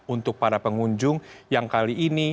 untuk para pengunjung yang kali ini